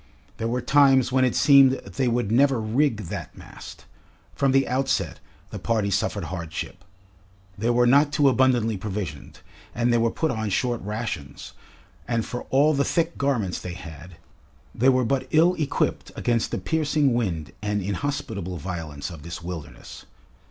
There were times when it seemed they would never rig that mast. From the outset the party suffered hardship. They were not too abundantly provisioned, and they were put on short rations, and for all the thick garments they had, they were but ill equipped against the piercing wind and inhospitable violence of this wilderness.